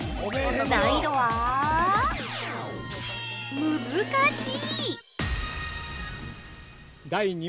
難易度はむずしい。